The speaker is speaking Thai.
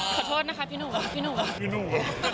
ขอโทษนะคะพี่หนูพี่หนู